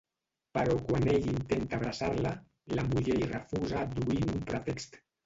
Però quan ell intenta abraçar-la, la muller hi refusa adduint un pretext.